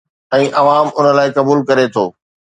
۽ عوام ان لاءِ قبول ڪري ٿو